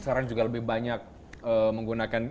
sekarang juga lebih banyak menggunakan